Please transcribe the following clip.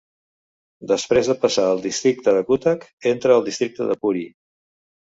Després de passar el districte de Cuttack entra al districte de Puri.